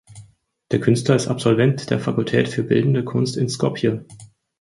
Der Künstler ist Absolvent der Fakultät für Bildende Kunst in Skopje.